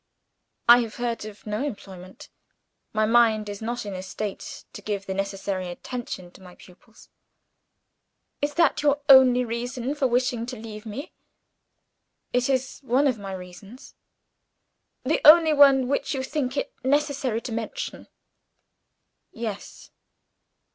"I have heard of no employment. My mind is not in a state to give the necessary attention to my pupils." "Is that your only reason for wishing to leave me?" "It is one of my reasons." "The only one which you think it necessary to mention?" "Yes."